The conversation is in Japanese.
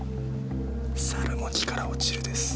「猿も木から落ちる」です。